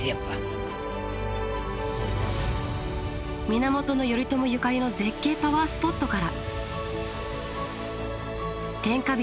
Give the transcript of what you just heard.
源頼朝ゆかりの絶景パワースポットから天下人